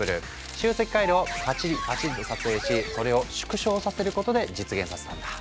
集積回路をパチリパチリと撮影しそれを縮小させることで実現させたんだ。